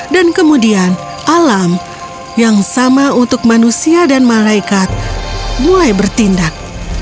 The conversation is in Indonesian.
kemudian alam yang sama untuk manusia dan malaikat mulai bertindak